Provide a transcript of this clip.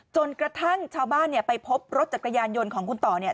จนกระทั่งชาวบ้านเนี่ยไปพบรถจักรยานยนต์ของคุณต่อเนี่ย